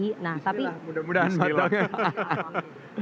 bisa lah mudah mudahan